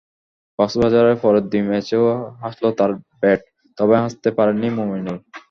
কক্সবাজারে পরের দুই ম্যাচেও হাসল তাঁর ব্যাট, তবে হাসতে পারেননি মুমিনুল।